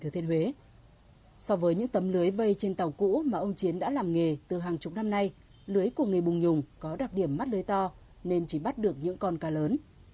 trong lưới vây trên tàu cũ mà ông chiến đã làm nghề từ hàng chục năm nay lưới của người bùng nhùng có đặc điểm mắt lưới to nên chỉ bắt được những con cá lớn